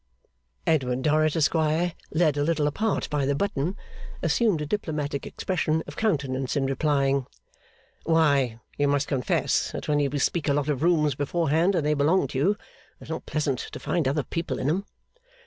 Edward Dorrit, Esquire, led a little apart by the button, assumed a diplomatic expression of countenance in replying, 'Why you must confess, that when you bespeak a lot of rooms beforehand, and they belong to you, it's not pleasant to find other people in 'em.